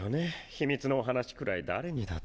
秘密のお話くらい誰にだって。